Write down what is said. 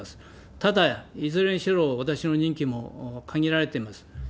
ただ、いずれにしろ私の任期も限られてます。